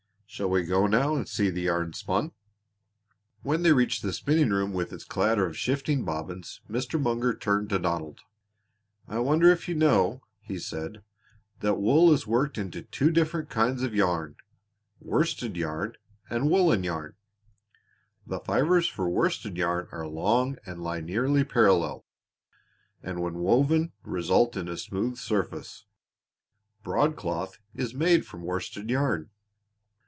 Shall we go now and see the yarn spun?" When they reached the spinning room with its clatter of shifting bobbins Mr. Munger turned to Donald. "I wonder if you know," he said, "that wool is worked into two different kinds of yarn worsted yarn and woolen yarn. The fibers for worsted yarn are long and lie nearly parallel, and when woven result in a smooth surface. Broadcloth is made from worsted yarn.